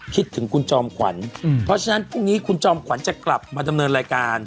คิดถึงคุณจอมขวัญเพราะฉะนั้นพรุ่งนี้คุณจอมขวัญจะกลับมาดำเนินรายการ